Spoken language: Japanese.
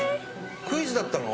クイズだったの？